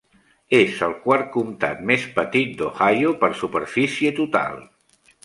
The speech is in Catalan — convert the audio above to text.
És el quart comtat més petit d'Ohio per superfície total.